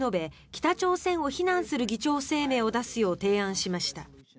北朝鮮を非難する議長声明を出すよう提案しました。